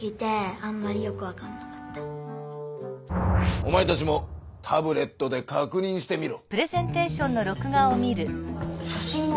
おまえたちもタブレットでかくにんしてみろ。